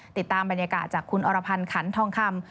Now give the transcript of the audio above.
ติดตามบรรยากาศจากคุณอรพันธ์ขันทองคำ